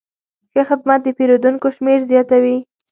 ښه خدمت د پیرودونکو شمېر زیاتوي.